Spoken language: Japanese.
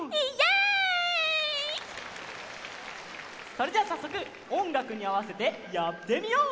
それじゃあさっそくおんがくにあわせてやってみよう！